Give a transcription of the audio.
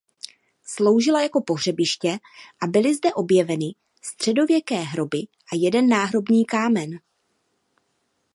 Sloužila jako pohřebiště a byly zde objeveny středověké hroby a jeden náhrobní kámen.